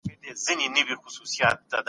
میلمه پالنه د پښتنو ښه دود دی.